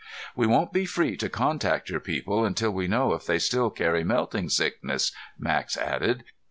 "We won't be free to contact your people until we know if they still carry melting sickness," Max added.